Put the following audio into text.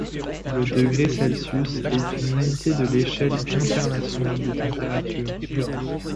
Le degré Celsius est une unité de l’échelle internationale de température.